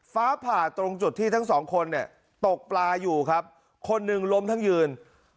ฟ้าผ่าตรงจุดที่ทั้งสองคนเนี่ยตกปลาอยู่ครับคนหนึ่งล้มทั้งยืน